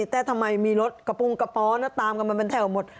แต่ทำไมมีรถกระปุ้งกระป๋อนะตามกันมาเป็นแถวหมด